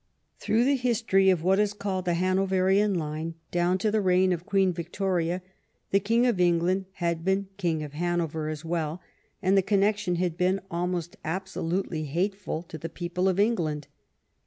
Through the history of what is called the Hano verian line down to the reign of Queen Victoria, the King of England had been King of Hanover as well, and the connection had been almost ab solutely hateful to the people of England.